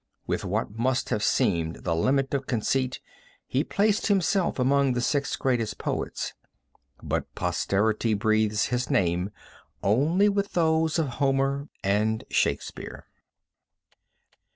With what must have seemed the limit of conceit he placed himself among the six greatest poets, but posterity breathes his name only with those of Homer and Shakespeare.